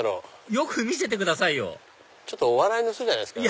よく見せてくださいよお笑いの人じゃないですか？